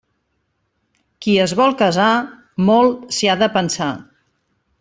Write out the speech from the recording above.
Qui es vol casar, molt s'hi ha de pensar.